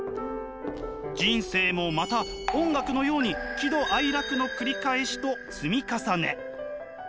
人生もまた音楽のように喜怒哀楽の繰り返しと積み重ね。